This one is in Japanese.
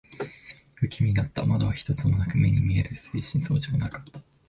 不気味だった。窓は一つもなく、目に見える推進装置もなかった。